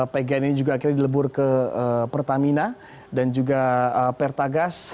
pgn ini juga akhirnya dilebur ke pertamina dan juga pertagas